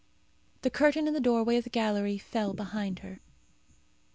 The curtain in the doorway of the gallery fell behind her.